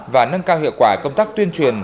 và nâng cao hiệu quả công tác tuyên truyền